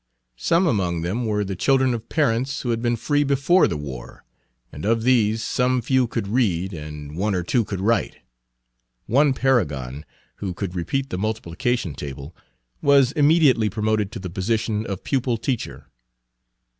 Some among them were the children of parents who had been free before the war, and of these some few could read and one or two could write. One paragon, who could repeat the multiplication table, was immediately promoted to the position of pupil teacher.